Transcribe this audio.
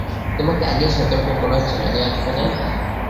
তোমাকে আগেই সতর্ক করা হয়েছিল, লেফটেন্যান্ট।